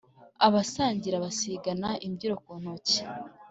Abasangira basigana imbyiro ku ntoki